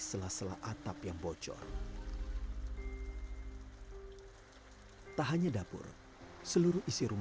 saya rasakan betul sore itu